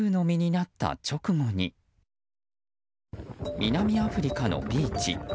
南アフリカのビーチ。